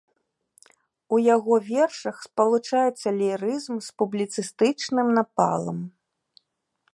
У яго вершах спалучаецца лірызм з публіцыстычным напалам.